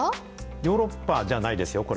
ヨーロッパじゃないですよ、これ。